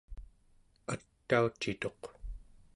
ataucituq